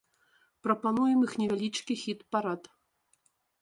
Прапануем іх невялічкі хіт-парад.